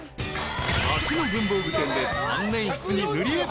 ［町の文房具店で万年筆に塗り絵］